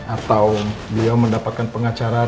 atau dia mendapatkan pengacara tapi